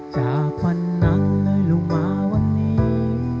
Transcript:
จากวันนั้นเลยลงมาวันนี้